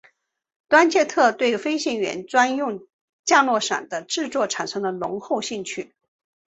瑞切特对飞行员专用降落伞的制作产生了浓厚兴趣。